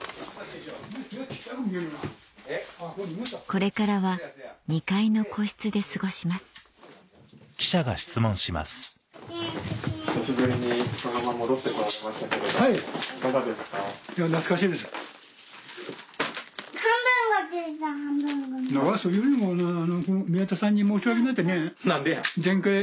これからは２階の個室で過ごしますそれよりも。